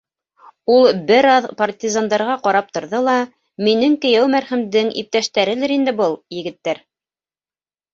Ул бер аҙ партизандарға ҡарап торҙо ла: — Минең кейәү мәрхүмдең иптәштәрелер инде был егеттәр.